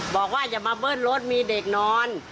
อย่ามาเบิ้ลรถมีเด็กนอน